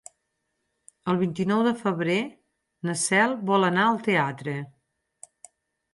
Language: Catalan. El vint-i-nou de febrer na Cel vol anar al teatre.